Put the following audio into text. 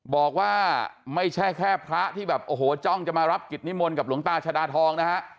บอกว่าไม่ใช่แค่พระที่แบบโอ้โหจ้องจะมารับกิจนิมนต์กับหลวงตาชาดาทองนะฮะ